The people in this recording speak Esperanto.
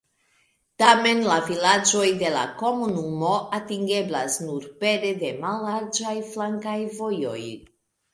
Tamen la vilaĝoj de la komunumo atingeblas nur pere de mallarĝaj flankaj vojoj.